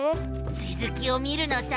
つづきを見るのさ！